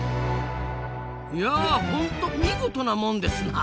いやホント見事なもんですなあ。